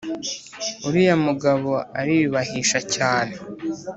uriya mugabo ariyubahisha cyane